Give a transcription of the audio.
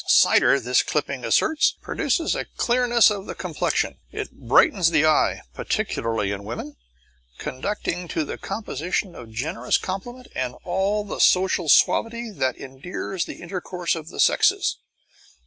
Cider, this clipping asserts, produces a clearness of the complexion. It brightens the eye, particularly in women, conducing to the composition of generous compliment and all the social suavity that endears the intercourse of the sexes.